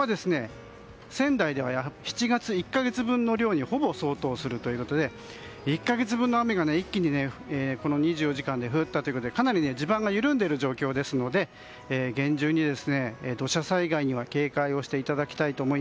仙台では７月１か月分の量にほぼ相当するということで１か月分の雨が一気にこの２４時間で降ったということで地盤が緩んでいる状況ですので厳重に土砂災害には警戒してください。